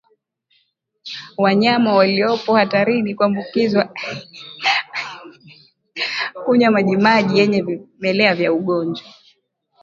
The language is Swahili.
Wanyama waliopo hatarini kuambukizwa hunywa majimaji yenye vimelea vya ugonjwa